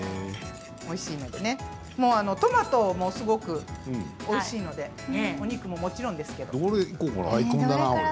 おいしいのでトマトもすごくおいしいのでお肉ももちろんですけれど。